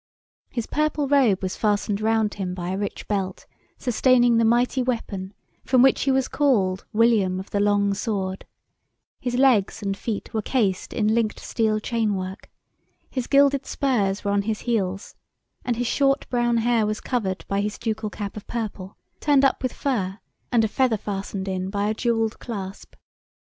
His purple robe was fastened round him by a rich belt, sustaining the mighty weapon, from which he was called "William of the long Sword," his legs and feet were cased in linked steel chain work, his gilded spurs were on his heels, and his short brown hair was covered by his ducal cap of purple, turned up with fur, and a feather fastened in by a jewelled clasp.